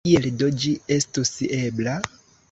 Kiel do ĝi estus ebla?